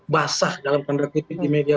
basah dalam tanda kutip di media